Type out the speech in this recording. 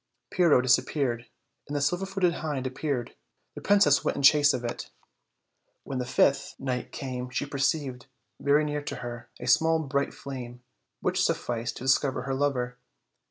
Pyrrho disappeared, and the silver footed hind appear ing, the princess went in chase of it. When the fifth CLP, OLD FAIRY TALES. S3 night came she perceived, very near to her, a small bright flame, which sufficed to discover her lover.